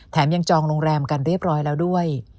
แถมยังจองโรงแรมกันเรียบร้อยแล้วด้วย